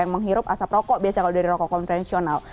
yang menghirup asap rokok biasa kalau dari rokok konvensional